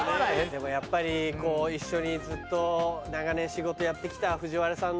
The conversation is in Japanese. でもやっぱりこう一緒にずっと長年仕事やってきたＦＵＪＩＷＡＲＡさんの。